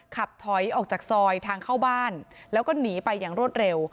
ขับถอยออกจากซอยทางเข้าบ้านแล้วก็หนีไปอย่างรวดเร็ว